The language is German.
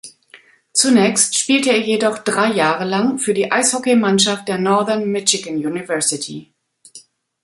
Zunächst spielte er jedoch drei Jahre lang für die Eishockeymannschaft der Northern Michigan University.